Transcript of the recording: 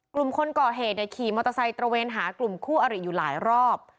กลุ่มคนก่อเหตุเนี่ยขี่มอเตอร์ไซค์ตระเวนหากลุ่มคู่อริอยู่หลายรอบ